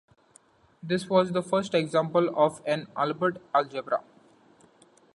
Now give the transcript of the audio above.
This was the first example of an Albert algebra.